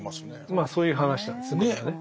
まあそういう話なんですねこれはね。